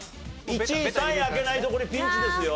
１位３位開けないとこれピンチですよ。